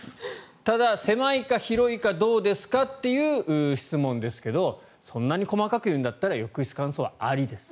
ただ狭いか広いかどうですかという質問ですけどそんなに細かく言うんだったら浴室乾燥はありです。